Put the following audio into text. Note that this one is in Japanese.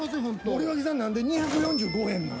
森脇さん何で２４５円なん。